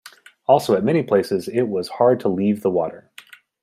Also, at many places it was hard to leave the water.